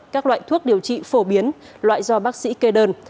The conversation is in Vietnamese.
các loại thuốc điều trị phổ biến loại do bác sĩ kê đơn